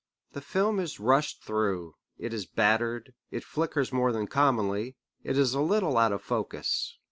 The film is rushed through, it is battered, it flickers more than commonly, it is a little out of focus.